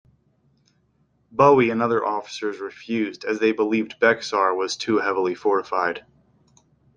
Bowie and other officers refused, as they believed Bexar was too heavily fortified.